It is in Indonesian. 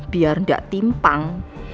biar gak timpang